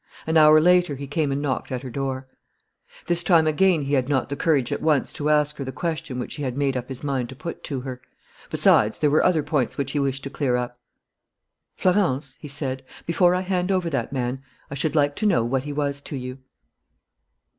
An hour later he came and knocked at her door. This time again he had not the courage at once to ask her the question which he had made up his mind to put to her. Besides, there were other points which he wished to clear up. "Florence," he said, "before I hand over that man, I should like to know what he was to you."